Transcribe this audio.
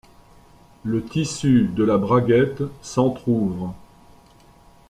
Le tissus de la braguette s'entrouvre.